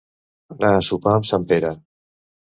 Anar a sopar amb sant Pere.